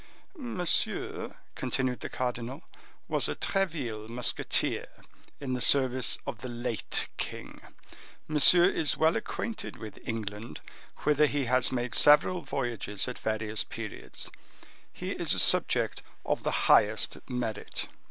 "Monsieur," continued the cardinal, "was a Treville musketeer, in the service of the late king. Monsieur is well acquainted with England, whither he has made several voyages at various periods; he is a subject of the highest merit."